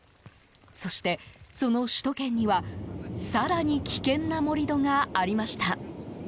そして、その首都圏には更に危険な盛り土がありました。